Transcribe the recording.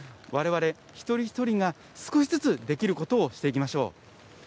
われわれ、一人一人が少しずつできることをしていきましょう。